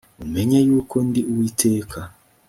mumenye yuko ndi uwiteka